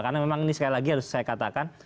karena ini sekali lagi harus saya katakan